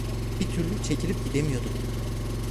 Bir türlü çekilip gidemiyordum.